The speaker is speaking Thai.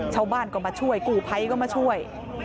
ชาวบ้านก็มาช่วยกู้ภัยก็มาช่วย